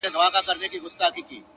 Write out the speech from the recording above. راكيټونو دي پر ما باندي را اوري ـ